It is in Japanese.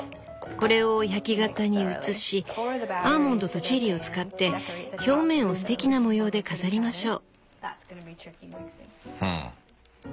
これを焼き型に移しアーモンドとチェリーを使って表面をすてきな模様で飾りましょう」。